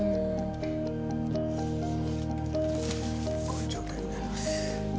こういう状態になります。